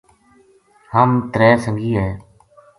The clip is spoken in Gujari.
ہم ترے سنگی ہے